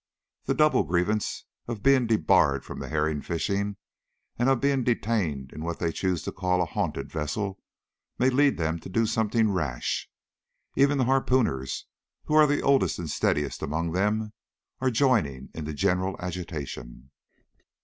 The double grievance of being debarred from the herring fishing and of being detained in what they choose to call a haunted vessel, may lead them to do something rash. Even the harpooners, who are the oldest and steadiest among them, are joining in the general agitation.